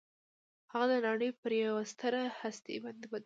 هغه د نړۍ پر یوه ستره هستي باندې بدل شو